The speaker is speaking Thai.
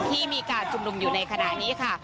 ที่มีการชุมนุมอยู่ในขณะนี้ค่ะ